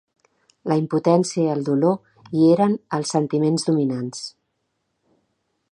La impotència i el dolor hi eren els sentiments dominants.